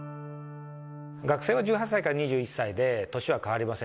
学生は１８歳から２１歳で、年は変わりません。